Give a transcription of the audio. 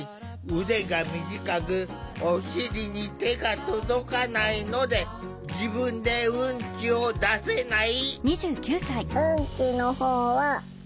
腕が短くお尻に手が届かないので自分でウンチを出せない。